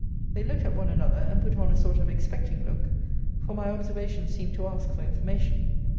They looked at one another, and put on a sort of expecting look; for my observation seemed to ask for information.